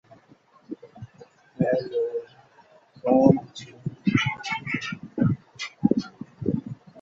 মাত্র বাইশ বছর বয়সে তাঁর তিনি অগাধ পাণ্ডিত্য অধিকারী হন।